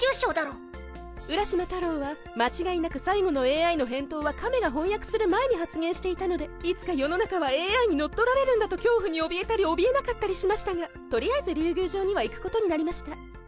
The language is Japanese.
浦島太郎は間違いなく最後の ＡＩ の返答は亀が翻訳する前に発言していたのでいつか世の中は ＡＩ に乗っ取られるんだと恐怖におびえたりおびえなかったりしましたがとりあえず竜宮城には行く事になりました